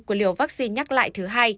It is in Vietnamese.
của liều vaccine nhắc lại thứ hai